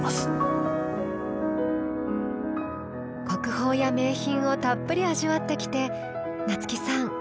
国宝や名品をたっぷり味わってきて夏木さん市川さん